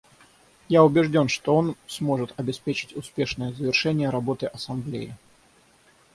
Я убежден, что он сможет обеспечить успешное завершение работы Ассамблеи.